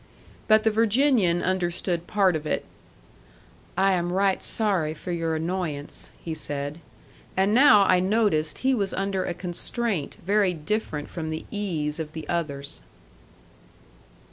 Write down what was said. But the Virginian understood part of it. "I am right sorry for your annoyance," he said. And now I noticed he was under a constraint very different from the ease of the others.